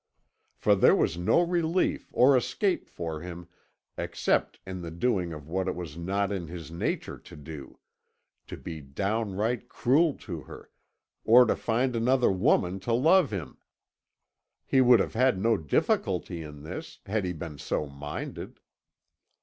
For there was no relief or escape for him except in the doing of what it was not in his nature to do to be downright cruel to her, or to find another woman to love him. He would have had no difficulty in this, had he been so minded.